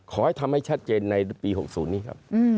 ขอให้ทำให้ชัดเจนในปี๖๐นี้ครับ